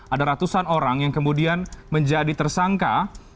ada ratusan orang yang kemudian menjadi tersangka